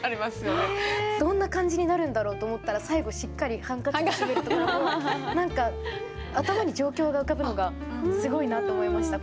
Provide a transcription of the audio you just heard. どんな感じになるんだろうと思ったら最後しっかりハンカチでしめるところも何か頭に状況が浮かぶのがすごいなと思いました